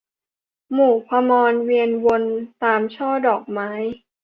หมู่ภมรบินเวียนวนตามช่อดอกไม้